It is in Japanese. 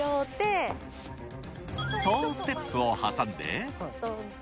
トゥステップを挟んで。